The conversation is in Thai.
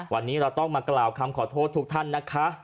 วันนี้เราต้องมากล่าวคำขอโทษทุกท่านนะคะ